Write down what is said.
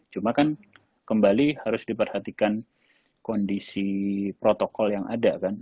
cuma kan kembali harus diperhatikan kondisi protokol yang ada kan